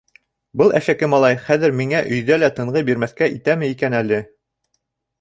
Был әшәке малай хәҙер миңә өйҙә лә тынғы бирмәҫкә итәме икән әле!